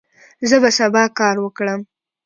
زه به سبا کار وکړم.